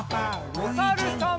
おさるさん。